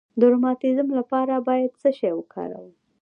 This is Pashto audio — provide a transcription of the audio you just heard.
د روماتیزم لپاره باید څه شی وکاروم؟